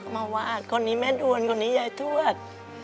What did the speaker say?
มาวาดคนนี้แม่ดวนคนนี้ยายทวด